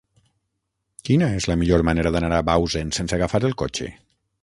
Quina és la millor manera d'anar a Bausen sense agafar el cotxe?